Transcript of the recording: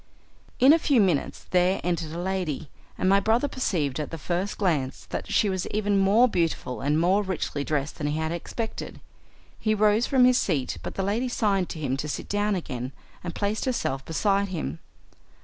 In a few minutes there entered a lady, and my brother perceived at the first glance that she was even more beautiful and more richly dressed than he had expected. He rose from his seat, but the lady signed to him to sit down again and placed herself beside him.